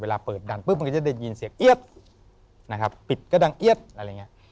เวลาเปิดดันปุ๊บมันก็จะได้ยินเสียงเอี๊ยดนะครับปิดก็ดังเอี๊ยดอะไรอย่างนี้